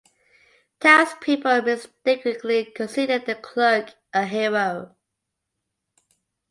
Townspeople mistakenly consider the clerk a hero.